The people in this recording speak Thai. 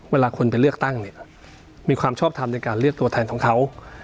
เวลาคนไปเลือกตั้งเนี่ยมีความชอบทำในการเลือกตัวแทนของเขา